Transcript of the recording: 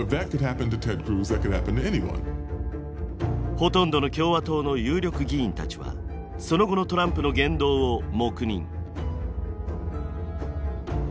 ほとんどの共和党の有力議員たちはその後のトランプの言動を黙認。